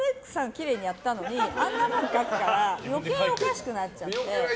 きれいにやったのにあんなもん書くから余計おかしくなっちゃって。